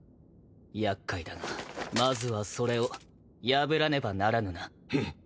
厄介だがまずはそれを破らねばならぬな。